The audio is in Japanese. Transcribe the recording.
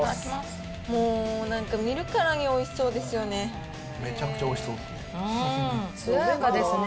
もう、なんか見るからにおいしそうですよね。